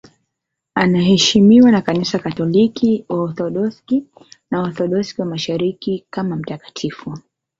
Anaheshimiwa na Kanisa Katoliki, Waorthodoksi na Waorthodoksi wa Mashariki kama mtakatifu.